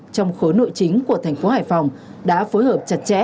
trong khối nội chính của thành phố hải phòng đã phối hợp chặt chẽ